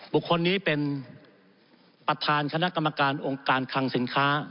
บุคคลนี้เป็นประธานคณะกรรมการองค์การคังสินค้า